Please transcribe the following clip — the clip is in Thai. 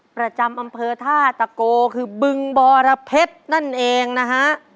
ประจำอำเภอท่าตะโกคือบึงบรเพชรนั่นเองนะฮะ